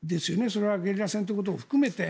それはゲリラ戦ということをも含めて。